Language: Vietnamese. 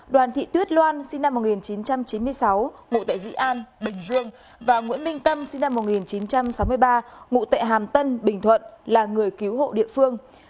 đoàn thị tuyết loan sinh năm một nghìn chín trăm chín mươi sáu ngụ tại dĩ an bình dương và nguyễn minh tâm sinh năm một nghìn chín trăm sáu mươi ba ngụ tại hàm tân bình thuận là người cứu hộ địa phương